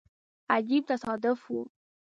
عجیب تصادف وو.